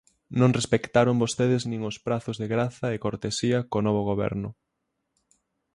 Non respectaron vostedes nin os prazos de graza e cortesía co novo Goberno.